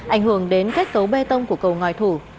ảnh hưởng đến kết cấu bê tông của cầu ngòi thủ